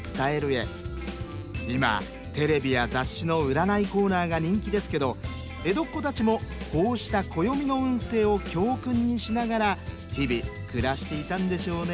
今テレビや雑誌の占いコーナーが人気ですけど江戸っ子たちもこうした暦の運勢を教訓にしながら日々暮らしていたんでしょうね。